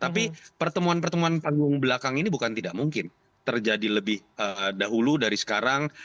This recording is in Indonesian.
tapi pertemuan pertemuan panggung belakang ini bukan tidak mungkin terjadi lebih dahulu dari sekarang